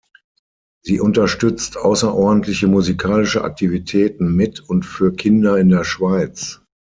Sie unterstützt ausserordentliche musikalische Aktivitäten mit und für Kinder in der Schweiz.